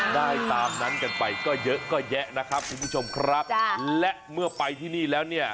ได้ตามนั้นกันไปก็เยอะก็แยะนะครับคุณผู้ชมครับจ้ะและเมื่อไปที่นี่แล้วเนี่ย